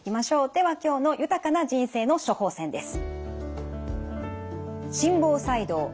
では今日の「豊かな人生の処方せん」です。